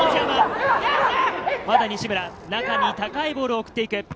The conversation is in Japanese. まだ西村、中に高いボールを送っていく。